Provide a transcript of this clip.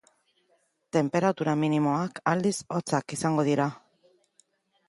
Tenperatura minimoak, aldiz, hotzak izango dira.